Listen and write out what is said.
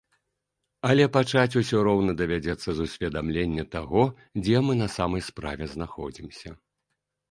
Але пачаць усё роўна давядзецца з усведамлення таго, дзе мы на самай справе знаходзімся.